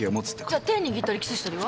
じゃあ手握ったりキスしたりは？